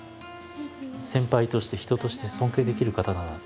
先輩として人として尊敬できる方だなっていう。